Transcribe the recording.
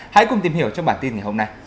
hãy cùng tìm hiểu trong bản tin ngày hôm nay